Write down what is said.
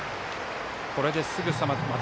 これですぐさま。